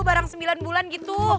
barang sembilan bulan gitu